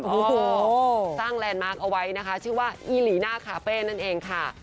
โอ้โหสร้างแลนด์มาร์คเอาไว้นะคะชื่อว่าอีหลีน่าคาเฟ่นั่นเองค่ะ